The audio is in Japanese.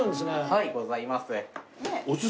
はいございます。